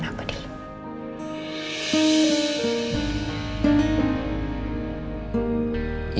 udah berhasil bel